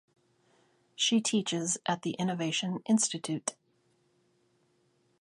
She teaches at The Innovation Institute.